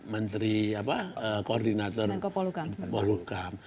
menteri apa koordinator polukam